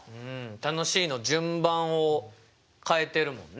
「楽しい」の順番を変えてるもんね。